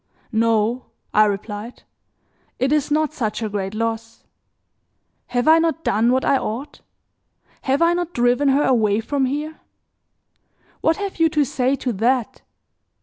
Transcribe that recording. "No," I replied, "it is not such a great loss. Have I not done what I ought? Have I not driven her away from here? What have you to say to that?